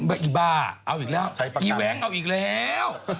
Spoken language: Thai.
อีบ้าเอาอีกแล้วอีแว้งเอาอีกแล้ว